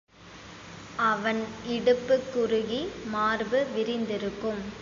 அவன் இடுப்பு குறுகி, மார்பு விரிந்திருக்கும்.